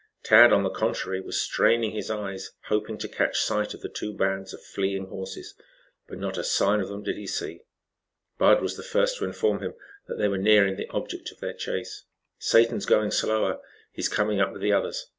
Tad, on the contrary, was straining his eyes, hoping to catch sight of the two bands of fleeing horses; but not a sign of them did he see. Bud was the first to inform him that they were nearing the object of their chase. "Satan's going slower. He is coming up with the others.